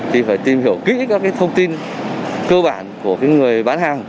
thì phải tìm hiểu kỹ các cái thông tin cơ bản của cái người bán hàng